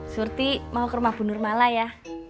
surti mau ke rumah bu nurmala ya